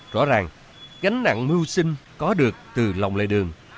rõ ràng gánh nặng mưu sinh có được từ lòng lề đường